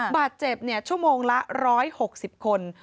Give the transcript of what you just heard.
บาดเจ็บชั่วโมงละ๑๖๐คน